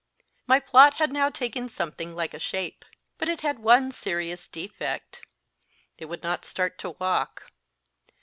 My plot had now taken something like a shape ; but it had one serious defect. It would not start to walk.